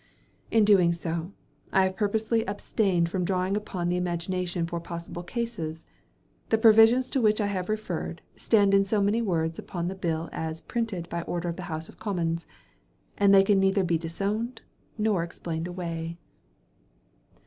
In doing so, I have purposely abstained from drawing upon the imagination for possible cases; the provisions to which I have referred, stand in so many words upon the bill as printed by order of the House of Commons; and they can neither be disowned, nor explained away.